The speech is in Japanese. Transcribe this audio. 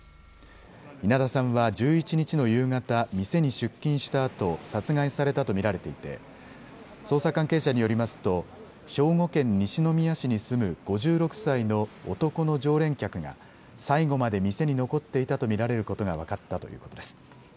稲田さんは１１日の夕方、店に出勤したあと殺害されたと見られていて捜査関係者によりますと兵庫県西宮市に住む５６歳の男の常連客が最後まで店に残っていたと見られることが分かったということです。